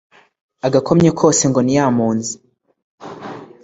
Agakomye kose ngo ni ya mpunzi!